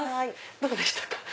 どうでしたか？